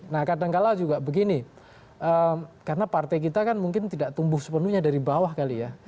nah kadangkala juga begini karena partai kita kan mungkin tidak tumbuh sepenuhnya dari bawah kali ya